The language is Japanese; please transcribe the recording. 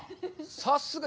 さすが。